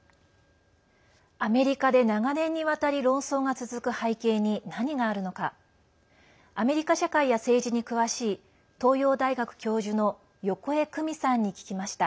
アメリカで長年にわたり論争が続く背景に何があるのかアメリカ社会や政治に詳しい東洋大学教授の横江公美さんに聞きました。